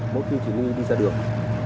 mỗi khi chỉ nghi đi ra đường